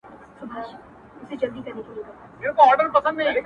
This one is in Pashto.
ستا په تعويذ كي به خپل زړه وويني ـ